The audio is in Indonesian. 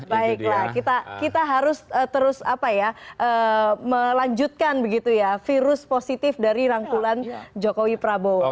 baiklah kita harus terus apa ya melanjutkan begitu ya virus positif dari rangkulan jokowi prabowo